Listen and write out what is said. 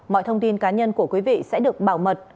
mọi thông tin cá nhân của quý vị sẽ được bảo mật